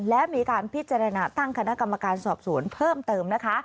และมีการพิจารณาตั้งคณะกรรมการสอบสวนเพิ่มเติมนะคะ